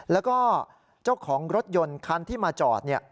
แล้วก็เจ้าของรถยนต์คันที่มาจอด